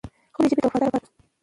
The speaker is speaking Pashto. خپلې ژبې ته وفادار پاتې شو.